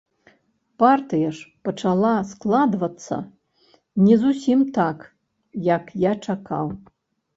Партыя ж пачала складвацца не зусім так, як я чакаў.